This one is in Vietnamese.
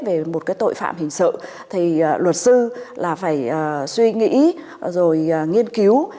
về một cái tội phạm hình sự thì luật sư là phải suy nghĩ rồi nghiên cứu